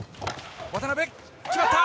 渡辺、決まった。